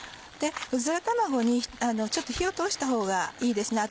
うずら卵にちょっと火を通したほうがいいですね。